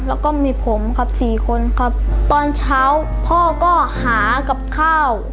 แล้วก็มีผมครับสี่คนครับตอนเช้าพ่อก็หากับข้าว